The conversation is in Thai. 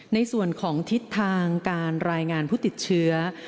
ในส่วนของทิศทางการรายงานผู้ติดเชื้อ